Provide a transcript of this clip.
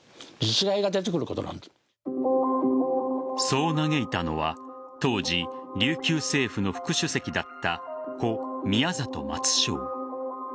そう嘆いたのは当時、琉球政府の副主席だった故・宮里松正。